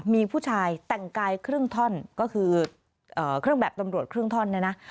มีผู้ชายแต่งกายครึ่งท่อนก็คือเครื่องแบบตำรวจครึ่งท่อนเนี่ยนะ